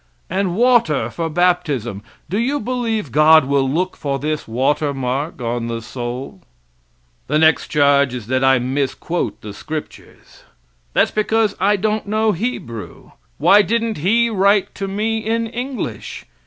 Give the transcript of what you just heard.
And water for baptism! Do you believe God will look for this water mark on the soul? The next charge is that I misquote the scriptures. That's because I don't know Hebrew. Why didn't He write to me in English?